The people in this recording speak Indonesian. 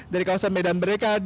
dari kawasan medan mereka